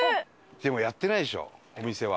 でもやってないでしょお店は。